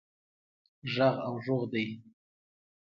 ږغ او ږوغ دی.